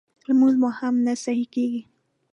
لمونځ مو هم نه صحیح کېږي